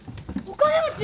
お金持ち！